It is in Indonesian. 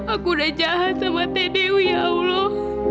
aku udah jahat sama teh dewi ya allah